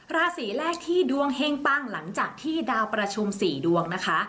ราศีแรกที่ดวงเฮ่งปั้งหลังจากที่ดาวประชุม๔ดวงนะคะ